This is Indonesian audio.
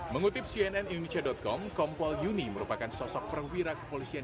mengutip cnn indonesia com kompol yuni merupakan sosok perwira kepolisian